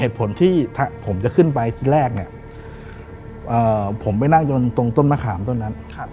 เหตุผลที่ผมจะขึ้นไปที่แรกเนี่ยผมไปนั่งยนต์ตรงต้นมะขามต้นนั้น